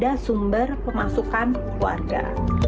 ada sumber pemasukan keluarga